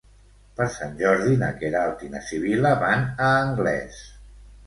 Per Sant Jordi na Queralt i na Sibil·la van a Anglès.